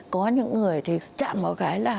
có những người thì chạm một cái là